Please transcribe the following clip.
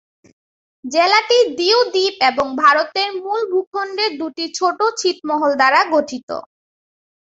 জেলাটি দিউ দ্বীপ এবং ভারতের মূল ভূখণ্ডে দুটি ছোট ছিটমহল দ্বারা গঠিত।